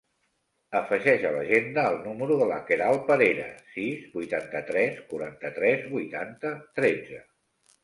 Afegeix a l'agenda el número de la Queralt Parera: sis, vuitanta-tres, quaranta-tres, vuitanta, tretze.